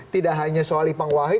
tidak hanya soal ipang wahid